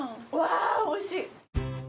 うわーおいしい。